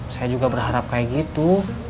saya juga berharap kayak gitu